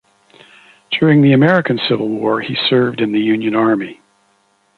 During the American Civil War, he served in the Union Army.